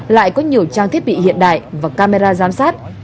lại có nhiều trang thiết bị hiện đại và camera giám sát